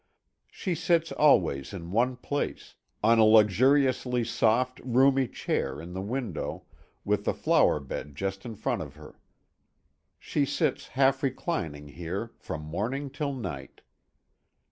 She sits always in one place on a luxuriously soft, roomy chair in the window, with the flower bed just in front of her. She sits half reclining here, from morning till night.